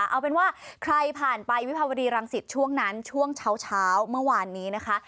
เอาเป็นว่าใครผ่านไปวิภาวดีรังสิตช่วงนั้นช่วงเช้าเมื่อวานนี้นะคะ